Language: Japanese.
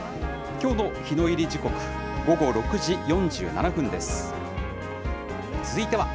きょうの日の入り時刻、午後６時４７分です。